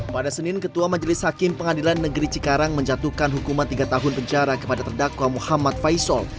pada senin ketua majelis hakim pengadilan negeri cikarang menjatuhkan hukuman tiga tahun penjara kepada terdakwa muhammad faisal